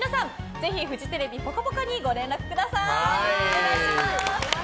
ぜひフジテレビ「ぽかぽか」にご連絡ください。